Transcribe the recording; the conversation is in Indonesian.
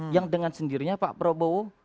yang dengan sendirinya pak prabowo